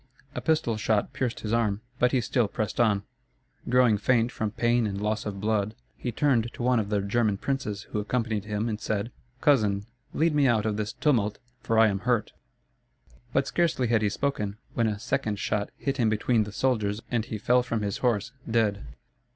A pistol shot pierced his arm; but he still pressed on. Growing faint from pain and loss of blood, he turned to one of the German princes who accompanied him and said: "Cousin, lead me out of this tumult; for I am hurt." But scarcely had he spoken, when a second shot hit him between the shoulders and he fell from his horse, dead.